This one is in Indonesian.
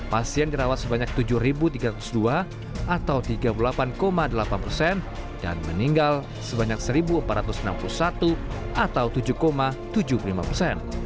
pasien dirawat sebanyak tujuh tiga ratus dua atau tiga puluh delapan delapan persen dan meninggal sebanyak satu empat ratus enam puluh satu atau tujuh tujuh puluh lima persen